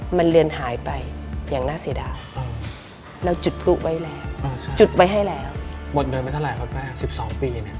หมดเงินไปเท่าไรครับแป๊บ๑๒ปีเนี่ย